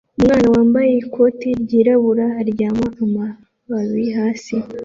Umwana wambaye ikoti ryirabura aryama amababi hasi